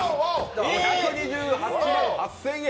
５２８万８０００円。